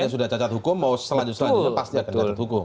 yang sudah cacat hukum mau selanjutnya pasti akan lanjut hukum